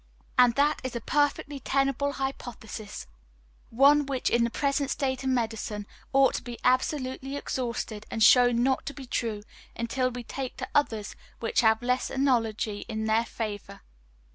And that is a perfectly tenable hypothesis, one which in the present state of medicine ought to be absolutely exhausted and shown not to be true, until we take to others which have less analogy in their favour.